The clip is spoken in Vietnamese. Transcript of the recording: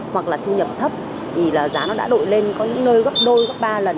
hoặc là thu nhập thấp thì là giá nó đã đội lên có những nơi gấp đôi gấp ba lần